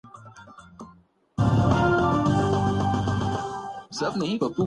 نجانے کیوں مجھے ان بچوں میں اپنا بچپن جو کہیں کھو گیا ہے نظر آ رہا تھا